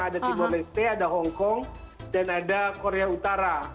ada timor leste ada hongkong dan ada korea utara